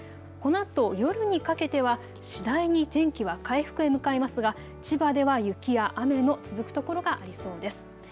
このあと夜にかけては次第に天気は回復へ向かいますが千葉では雪や雨の続く所がありそうです。